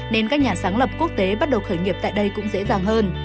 nên các nhà sáng lập quốc tế bắt đầu khởi nghiệp tại đây cũng dễ dàng hơn